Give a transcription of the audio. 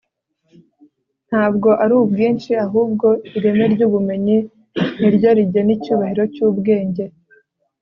ntabwo ari ubwinshi ahubwo ireme ry'ubumenyi ni ryo rigena icyubahiro cy'ubwenge